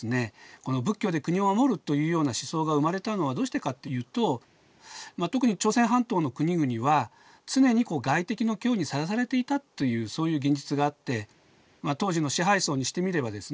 この仏教で国を護るというような思想が生まれたのはどうしてかっていうと特に朝鮮半島の国々は常に外敵の脅威にさらされていたというそういう現実があって当時の支配層にしてみればですね